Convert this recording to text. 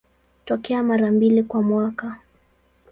Hutokea mara mbili kwa mwaka.